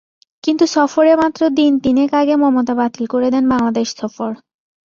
কিন্তু সফরের মাত্র দিন তিনেক আগে মমতা বাতিল করে দেন বাংলাদেশ সফর।